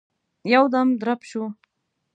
يودم درب شو.